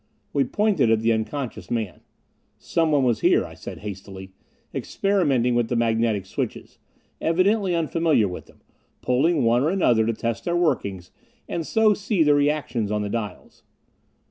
We pointed at the unconscious man. "Someone was here," I said hastily. "Experimenting with the magnetic switches. Evidently unfamiliar with them pulling one or another to test their workings and so see the reactions on the dials."